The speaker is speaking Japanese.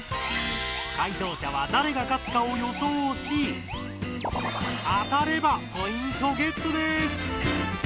解答者はだれが勝つかを予想しあたればポイントゲットです！